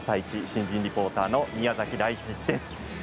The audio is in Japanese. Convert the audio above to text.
新人リポーターの宮崎大地です。